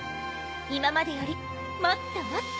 今までよりもっともっと。